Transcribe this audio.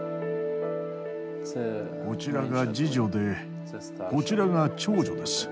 こちらが次女でこちらが長女です。